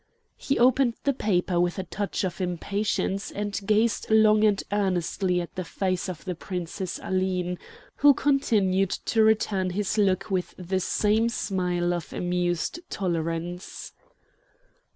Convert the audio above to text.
He opened the paper with a touch of impatience and gazed long and earnestly at the face of the Princess Aline, who continued to return his look with the same smile of amused tolerance.